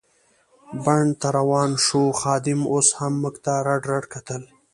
بڼ ته روان شوو، خادم اوس هم موږ ته رډ رډ کتل.